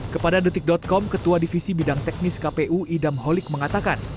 kepada detik com ketua divisi bidang teknis kpu idam holik mengatakan